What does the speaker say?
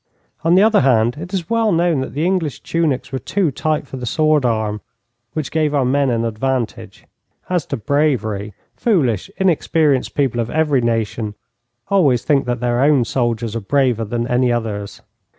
On the other hand, it is well known that the English tunics were too tight for the sword arm, which gave our men an advantage. As to bravery, foolish, inexperienced people of every nation always think that their own soldiers are braver than any others.